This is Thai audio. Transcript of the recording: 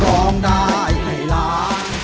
ร้องได้ให้ร้อง